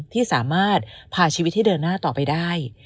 ที่สามารถพาชีวิตให้เดินหน้าต่อไปได้